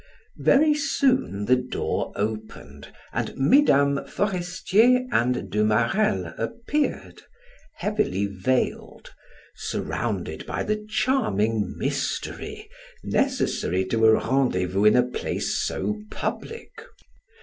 Very soon the door opened and Mesdames Forestier and De Marelle appeared, heavily veiled, surrounded by the charming mystery necessary to a rendezvous in a place so public.